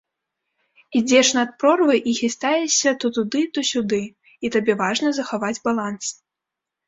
Ідзеш над прорвай і хістаешся то туды, то сюды, і табе важна захаваць баланс.